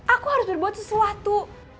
aku harus berbuat sesuatu